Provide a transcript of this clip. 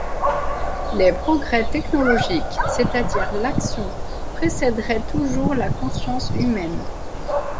Les progrès technologiques, c'est-à-dire l'action, précèderaient toujours la conscience humaine.